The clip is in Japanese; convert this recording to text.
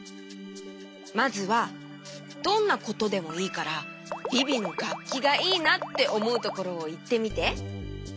まずはどんなことでもいいからビビのがっきがいいなっておもうところをいってみて。